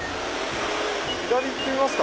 左行ってみますか。